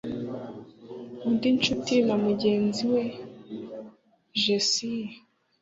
Undi nshuti na mugenzi we Jessie